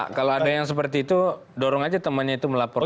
kalau ada yang seperti itu dorong aja temannya itu melaporkan